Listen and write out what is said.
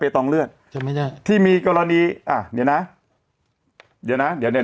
ตองเลือดจะไม่ใช่ที่มีกรณีอ่ะเดี๋ยวนะเดี๋ยวนะเดี๋ยวเนี้ย